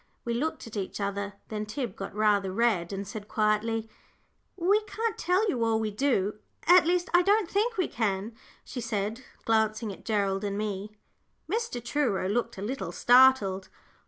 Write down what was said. We looked at each other. Then Tib got rather red, and said, quietly, "We can't tell you all we do, at least, I don't think we can," she said, glancing at Gerald and me. Mr. Truro looked a little startled.